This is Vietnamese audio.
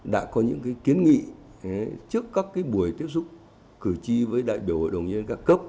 đã có những kiến nghị trước các buổi tiếp xúc cử tri với đại biểu hội đồng nhân các cấp